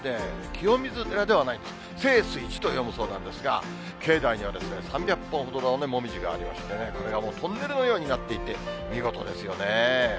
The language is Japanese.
きよみずでらではない、せいすいじと読むそうなんですが、境内には３００本ほどのモミジがありますんでね、これがもうトンネルのようになっていて、見事ですよね。